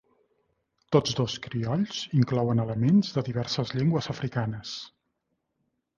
Tots dos criolls inclouen elements de diverses llengües africanes.